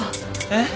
えっ？